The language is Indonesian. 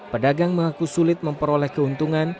pedagang mengaku sulit memperoleh keuntungan